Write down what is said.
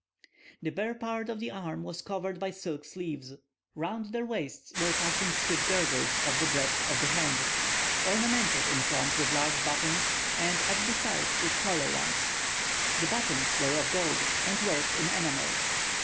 The bare part of the arm was covered by silk sleeves. Round their waists were fastened stiff girdles of the breadth of the hand, ornamented in front with large buttons, and at the sides with smaller ones. The buttons were of gold, and worked in enamel.